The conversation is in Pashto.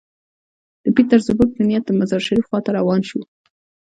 د پیټرزبورګ په نیت د مزار شریف خوا ته روان شو.